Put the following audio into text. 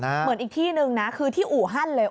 เหมือนอีกที่นึงนะคือที่อู่ฮั่นเลย